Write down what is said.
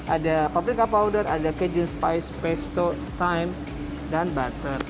ada paprika powder ada cajun spice pesto thyme dan butter